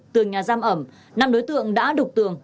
tường nhà giam ẩm năm đối tượng đã đục tường